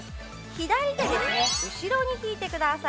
左手、後ろに引いてください。